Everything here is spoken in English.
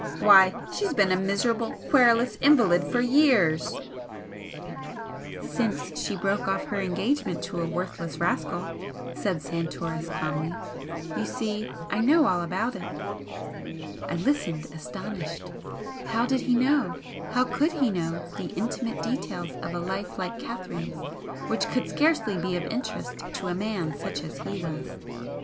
"Why, she's been a miserable, querulous invalid for years " "Since she broke off her engagement to a worthless rascal" said Santoris, calmly. "You see, I know all about it." I listened, astonished. How did he know, how could he know, the intimate details of a life like Catherine's which could scarcely be of interest to a man such as he was?